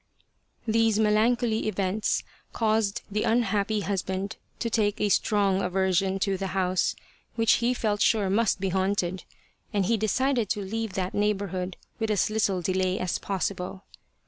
These melancholy events caused the unhappy husband to take a strong aversion to the house, which he felt sure must be haunted, and he decided to leave that neighbourhood with as little delay as possible.